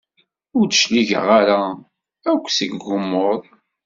Ur d-cligeɣ ara akk seg ugmuḍ.